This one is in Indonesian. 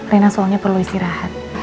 rena soalnya perlu istirahat